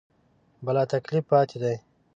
بلاتکلیف پاتې دي.